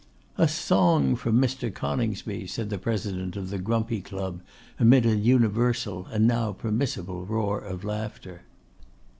'A song from Mr. Coningsby,' said the president of the Grumpy Club, amid an universal, and now permissible roar of laughter.